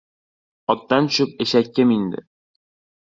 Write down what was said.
• Otdan tushib eshakka mindi.